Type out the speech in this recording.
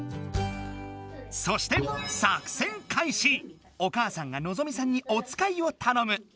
そしてお母さんがのぞみさんにおつかいをたのむ。